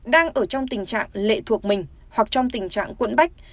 đang ở trong tình trạng lệ thuộc mình hoặc trong tình trạng quẫn bách